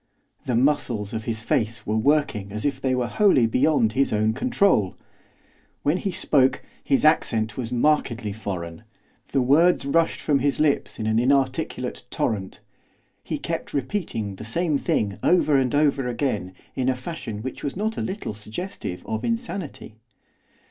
The muscles of his face were working as if they were wholly beyond his own control. When he spoke his accent was markedly foreign; the words rushed from his lips in an inarticulate torrent; he kept repeating the same thing over and over again in a fashion which was not a little suggestive of insanity.